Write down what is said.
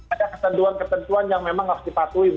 ada ketentuan ketentuan yang memang harus dipatuhi